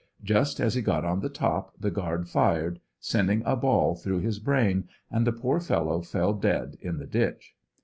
Just as he got on the top the guard fired; sending a ball through his brain, and the poor fellow fell dead in the ditch.